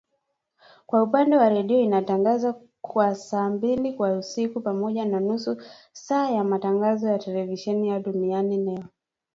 Kwa upande wa redio inatangaza kwa saa mbili kwa siku, pamoja na nusu saa ya matangazo ya televisheni ya Duniani Leo.